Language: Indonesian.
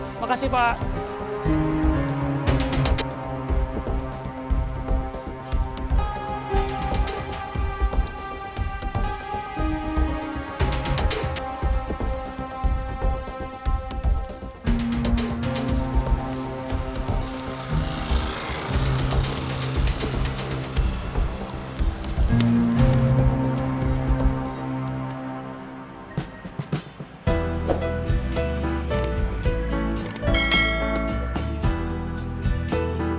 terima kasih armies